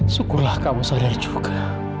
syukurlah kamu sadar juga